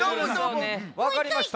わかりました。